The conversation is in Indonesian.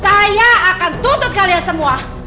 saya akan tuntut kalian semua